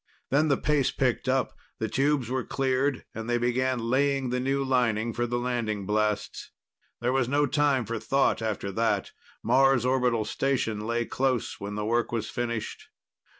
Then the pace picked up. The tubes were cleared and they began laying the new lining for the landing blasts. There was no time for thought after that. Mars' orbital station lay close when the work was finished.